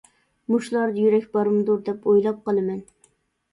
مۇشۇلاردا يۈرەك بارمىدۇر دەپ ئويلاپ قالىمەن.